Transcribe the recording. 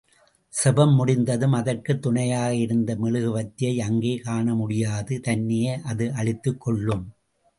செபம் முடிந்ததும் அதற்குத் துணையாக இருந்த மெழுகுவர்த்தியை அங்கே காணமுடியாது தன்னையே அது அழித்துக்கொள்ளும்.